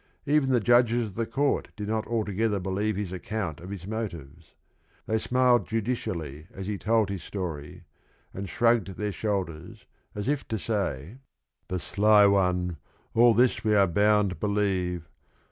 Even the judges of the court did not alto gether believe his account of his motives. They smiled judicially as he told his story, and shrugged their shoulders as if to say "The sly one, all this we are bound believe.